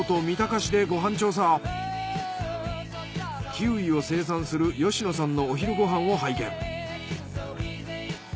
キウイを生産する吉野さんのお昼ご飯を拝見。